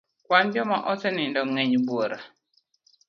Kwan joma osenindo ng'eny buora.